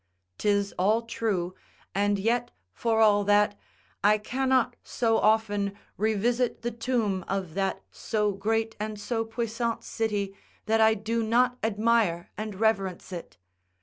'Tis all true; and yet, for all that, I cannot so often revisit the tomb of that so great and so puissant city, [Rome] that I do not admire and reverence it.